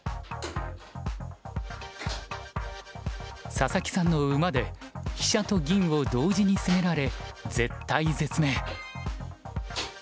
佐々木さんの馬で飛車と銀を同時に攻められ絶体絶命。